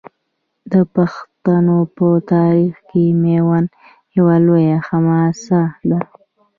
د پښتنو په تاریخ کې میوند یوه لویه حماسه ده.